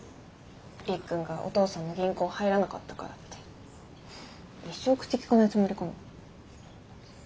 りっくんがお父さんの銀行入らなかったからって一生口利かないつもりかな。